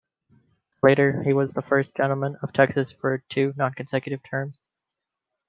Later, he was the first gentleman of Texas for two nonconsecutive terms.